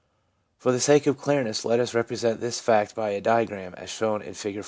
For the sake of clearness let us represent this fact by a diagram as shown in Figure 14.